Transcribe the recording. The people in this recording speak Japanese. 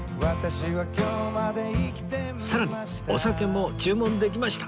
さらにお酒も注文できました